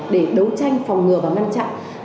để đấu tranh phòng ngừa và ngăn chặn